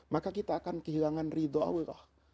maka kita akan kehilangan ridho allah